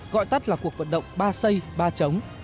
gọi tắt là cuộc vận động ba xây ba chống